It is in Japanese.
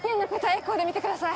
エコーで見てください